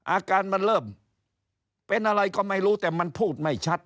อาการมันเริ่มเป็นอะไรก็ไม่รู้แต่มันพูดไม่ชัด